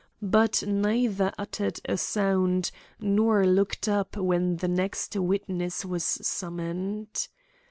But neither uttered a sound, nor looked up when the next witness was summoned.